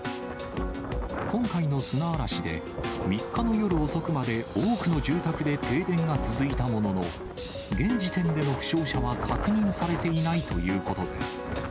今回の砂嵐で３日の夜遅くまで多くの住宅で停電が続いたものの、現時点での負傷者は確認されていないということです。